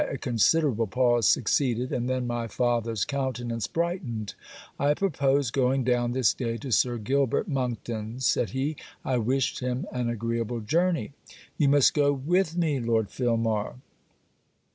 A considerable pause succeeded; and then my father's countenance brightened. 'I purpose going down this day to Sir Gilbert Monkton's,' said he. I wished him an agreeable journey. 'You must go with me, Lord Filmar.'